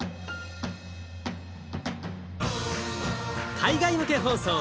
海外向け放送